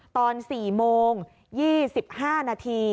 ตอน๔โมง๒๕นาที